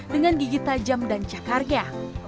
dengan gigi tajam dan cakarnya